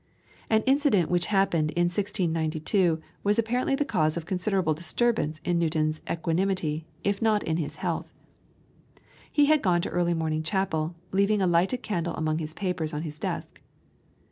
An incident which happened in 1692 was apparently the cause of considerable disturbance in Newton's equanimity, if not in his health. He had gone to early morning chapel, leaving a lighted candle among his papers on his desk.